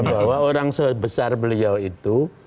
bahwa orang sebesar beliau itu